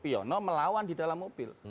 piono melawan di dalam mobil